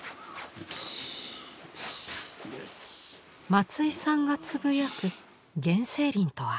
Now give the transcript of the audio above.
松井さんがつぶやく原生林とは。